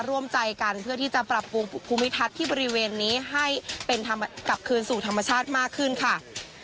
ร่วมใจกันเพื่อที่จะปรับปรุงภูมิทัศน์ที่บริเวณนี้ให้เป็นกลับคืนสู่ธรรมชาติมากขึ้นค่ะ